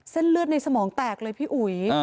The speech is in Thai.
เส้นเลือดในสมองแตกเลยพี่อุ๋ย